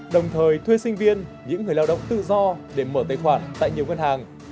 đồng thời thuê sinh viên những người lao động tự do để mở tài khoản tại nhiều ngân hàng